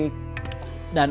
istri kita gak terlalu cantik